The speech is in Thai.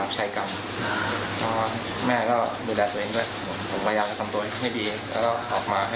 เป็นคนช่วยคนชวนเป็นคนช่วยคนช่วยเขา